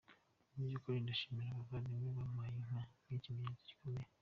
Mu by’ukuri ndashimira abavandimwe bampaye inka, ni ikimenyetso gikomeye.